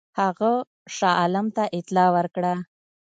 هغه شاه عالم ته اطلاع ورکړه.